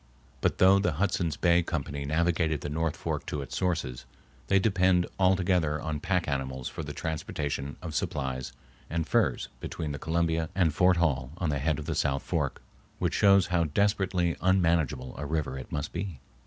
But though the Hudson's Bay Company navigated the north fork to its sources, they depended altogether on pack animals for the transportation of supplies and furs between the Columbia and Fort Hall on the head of the south fork, which shows how desperately unmanageable a river it must be.